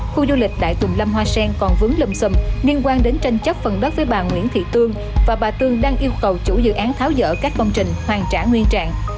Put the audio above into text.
khu du lịch đại tùng lâm hoa sen còn vướng lầm sầm liên quan đến tranh chấp phần đất với bà nguyễn thị tương và bà tương đang yêu cầu chủ dự án tháo dỡ các công trình hoàn trả nguyên trạng